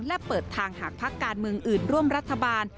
และเปิดทางหากพักการเมืองอื่นร่วมรัฐบาล